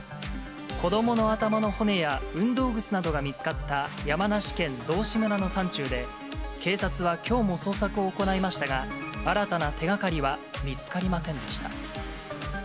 子どもの頭の骨や運動靴などが見つかった山梨県道志村の山中で、警察はきょうも捜索を行いましたが、新たな手がかりは見つかりませんでした。